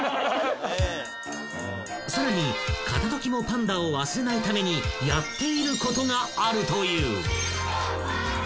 ［さらに片時もパンダを忘れないためにやっていることがあるという］